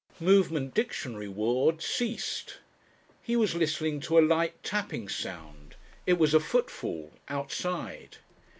Movement dictionary ward ceased. He was listening to a light tapping sound it was a footfall outside.